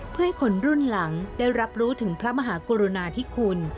เพื่อให้คนรุ่นหลังได้รับรู้ถึงพระมหากรุณาธิคุณ